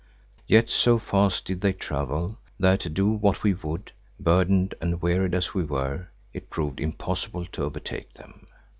Yet so fast did they travel that do what we would, burdened and wearied as we were, it proved impossible to overtake them.